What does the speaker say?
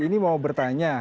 ini mau bertanya